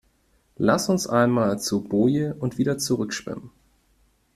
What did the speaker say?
Lass uns einmal zur Boje und wieder zurück schwimmen.